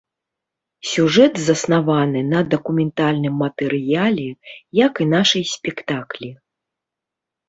Сюжэт заснаваны на дакументальным матэрыяле, як і нашы спектаклі.